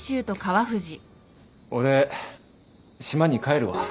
俺島に帰るわ。